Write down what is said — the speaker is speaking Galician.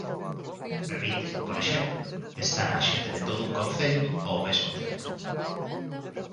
Permite, por exemplo, testar á xente de todo un concello ao mesmo tempo.